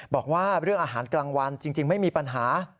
บอกว่าเรื่องอาหารกลางวันจริงไม่มีปัญหา